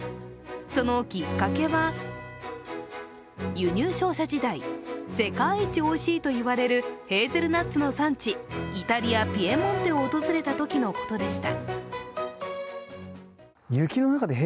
そのきっかけは、輸入商社時代、世界一おいしいと言われるヘーゼルナッツの産地、イタリア・ピエモンテを訪れたときのことでした。